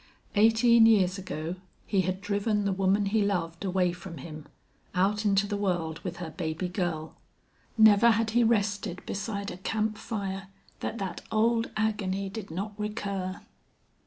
Eighteen years ago he had driven the woman he loved away from him, out into the world with her baby girl. Never had he rested beside a camp fire that that old agony did not recur!